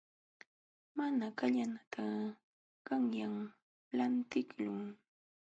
Muyu kallanata qanyan lantiqlun.